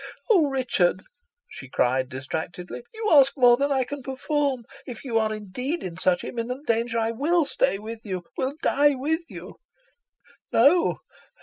"Oh! Richard," she cried distractedly; "you ask more than I can perform. If you are indeed in such imminent danger, I will stay with you will die with you." "No!